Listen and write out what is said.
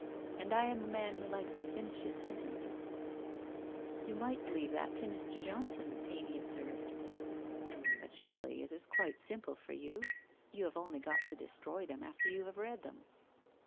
And I am a man who likes to finish his sentences/ ' You might leave that to Mr. Johnson/ Amy observed. ' But surely it is quite simple for you. You have only got to destroy them after you have read them.'